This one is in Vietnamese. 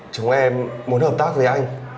chúng em muốn hợp tác với anh